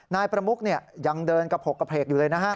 นายประมุกยังเดินกระโพกกระเพกอยู่เลยนะฮะ